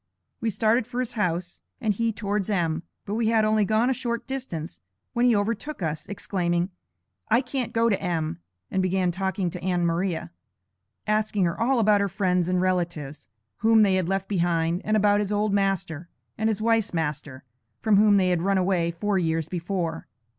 We started for his house, and he towards M., but we had only gone a short distance, when he overtook us, exclaiming: 'I can't go to M.,' and began talking to Ann Maria, asking her all about her friends and relatives, whom they had left behind, and about his old master, and his wife's master, from whom they had run away four years before.